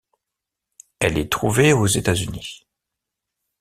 Elle est trouvée aux États-Unis.